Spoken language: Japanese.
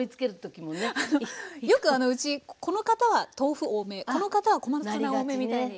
あのよくうちこの方は豆腐多めこの方は小松菜多めみたいに。